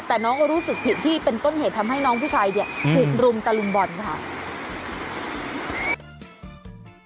แต่น้องก็รู้สึกผิดที่เป็นต้นเหตุทำให้น้องผู้ชายเนี่ยถูกรุมตะลุมบ่อนค่ะ